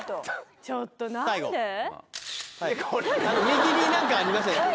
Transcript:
右に何かありますよ。